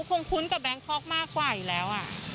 คุ้นกับแบงคอกมากกว่าอยู่แล้ว